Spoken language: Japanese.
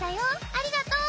ありがとう！」。